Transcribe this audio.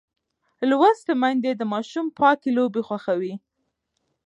لوستې میندې د ماشوم پاکې لوبې خوښوي.